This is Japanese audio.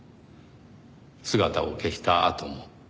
姿を消したあとも。